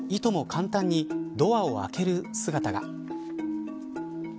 簡単にドアを開ける姿が。